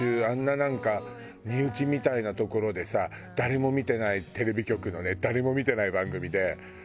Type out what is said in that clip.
あんななんか身内みたいなところでさ誰も見てないテレビ局のね誰も見てない番組で。